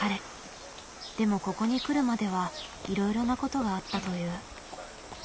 でもここに来るまではいろいろなことがあったという。